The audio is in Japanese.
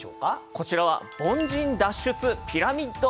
こちらは凡人脱出ピラミッドでございます。